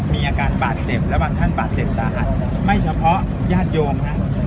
มีอาการบาดเจ็บและบางท่านบาดเจ็บสาหัสไม่เฉพาะญาติโยมนะ